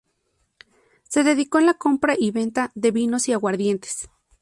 Se dedicó en la compra y venta de vinos y aguardientes.